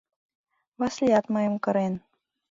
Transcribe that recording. Васлиат мыйым кырен...